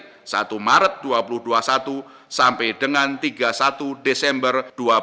pada satu maret dua ribu dua puluh satu sampai dengan tiga puluh satu desember dua ribu dua puluh